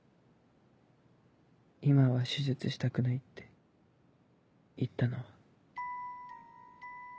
今は手術したくないって言ったのは。